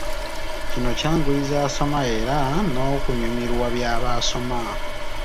Kino kyanguyiza asoma era n'okunyumirwa by'aba asoma.